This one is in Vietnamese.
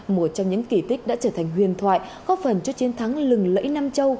một trong những kỳ tích đã trở thành huyền thoại góp phần cho chiến thắng lừng lẫy nam châu